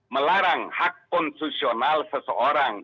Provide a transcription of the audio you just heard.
melarang hak konsesional seseorang